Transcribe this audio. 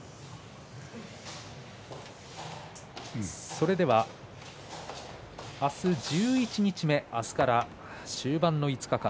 それでは、明日、十一日目明日から終盤の５日間。